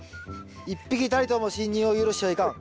一匹たりとも侵入を許してはいかん。